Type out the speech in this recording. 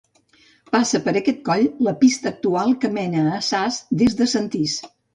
Passa per aquest coll la pista actual que mena a Sas des de Sentís.